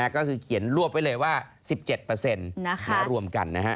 ก็คือเขียนรวบไว้เลยว่า๑๗รวมกันนะฮะ